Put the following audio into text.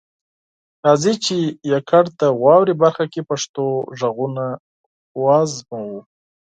راځئ چې یوازې د "واورئ" برخه کې پښتو غږونه وازموو.